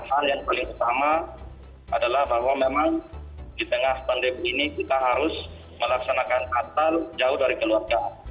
hal yang paling utama adalah bahwa memang di tengah pandemi ini kita harus melaksanakan natal jauh dari keluarga